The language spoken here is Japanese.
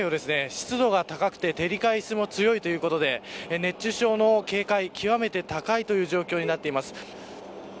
湿度が高くて照り返しも強いということで熱中症の警戒、極めて高いという状況になっています。